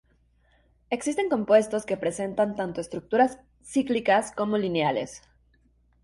Existen compuestos que presentan tanto estructuras cíclicas como lineales.